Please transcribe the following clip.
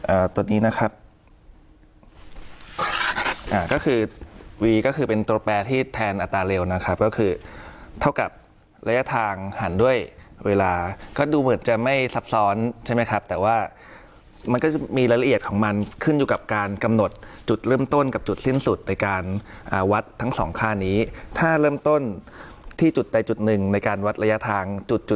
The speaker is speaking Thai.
ตัวนี้นะครับอ่าก็คือวีก็คือเป็นตัวแปรที่แทนอัตราเร็วนะครับก็คือเท่ากับระยะทางหันด้วยเวลาก็ดูเหมือนจะไม่ซับซ้อนใช่ไหมครับแต่ว่ามันก็จะมีรายละเอียดของมันขึ้นอยู่กับการกำหนดจุดเริ่มต้นกับจุดสิ้นสุดในการอ่าวัดทั้งสองค่านี้ถ้าเริ่มต้นที่จุดใดจุดหนึ่งในการวัดระยะทางจุด